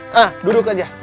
nah duduk aja